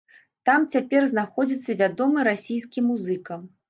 Там цяпер знаходзіцца вядомы расійскі музыка.